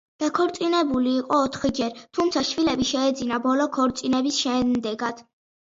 დაქორწინებული იყო ოთხჯერ, თუმცა შვილები შეეძინა ბოლო ქორწინების შედეგად.